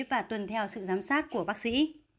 và tuần theo sự giám sát của bác sĩ